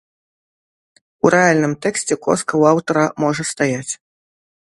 У рэальным тэксце коска ў аўтара можа стаяць.